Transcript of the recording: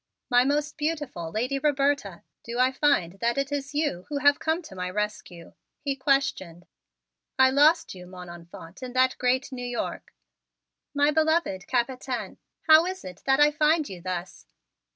"My most beautiful lady Roberta, do I find that it is you who have come to my rescue?" he questioned. "I lost you, mon enfant, in that great New York." "My beloved Capitaine, how is it that I find you thus?"